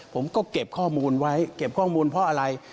ผมก็เก็บข้อมูลไว้เก็บข้อมูลเพราะอะไร